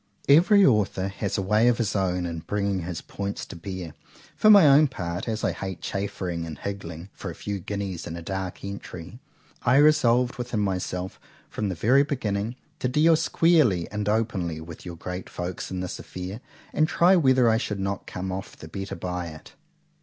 ——Every author has a way of his own in bringing his points to bear;—for my own part, as I hate chaffering and higgling for a few guineas in a dark entry;—I resolved within myself, from the very beginning, to deal squarely and openly with your Great Folks in this affair, and try whether I should not come off the better by it.